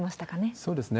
そうですね。